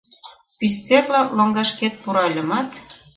Пистерла лоҥгашкет пуральымат